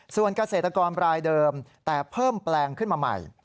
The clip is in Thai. ส่วนเกษตรกรรายเดิมแต่เพิ่มแปลงขึ้นมาใหม่